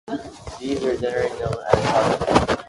These were generally known as "tartan hose".